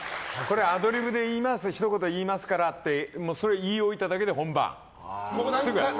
アドリブでひと言、言いますからってそれ言い置いただけで本番。